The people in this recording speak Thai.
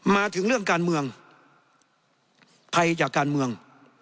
มาถึงเรื่องการเมืองภัยจากการเมือง